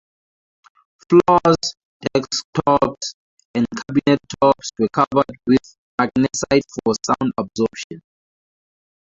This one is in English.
Floors, desktops, and cabinet tops were covered with magnesite for sound absorption.